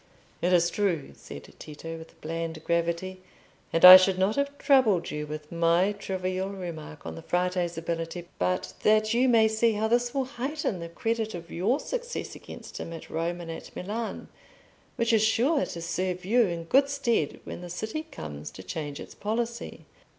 "It is true," said Tito, with bland gravity; "and I should not have troubled you with my trivial remark on the Frate's ability, but that you may see how this will heighten the credit of your success against him at Rome and at Milan, which is sure to serve you in good stead when the city comes to change its policy."